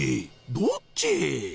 どっち？